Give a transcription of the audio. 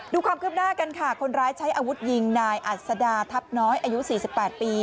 ดูความคืบหน้ากันค่ะคนร้ายใช้อาวุธยิงนายอัศดาทัพน้อยอายุ๔๘ปี